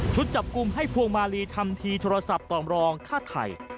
จับกลุ่มให้พวงมาลีทำทีโทรศัพท์ต่อมรองฆ่าไถ่